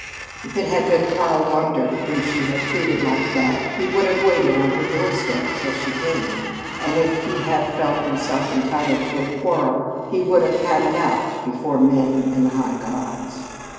If it had been Karl Wander whom she had treated like that he would have waited on her doorstep till she came, and if he had felt himself entitled to a quarrel, he would have "had it out" before men and the high gods.